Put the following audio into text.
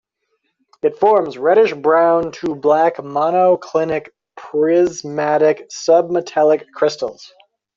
It forms reddish brown to black monoclinic prismatic submetallic crystals.